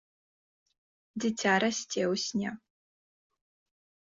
Дзіця расце ў сне.